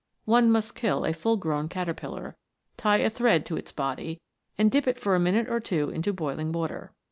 One must kill a full grown caterpillar, tie a thread to its body, and dip it for a minute or two into boiling water.